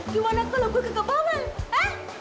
gimana kalau gua kekebangan